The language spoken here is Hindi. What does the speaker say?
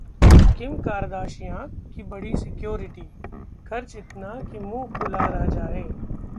किम कार्दाशियां की बढ़ी सिक्योरिटी, खर्च इतना कि मुंह खुला रह जाए...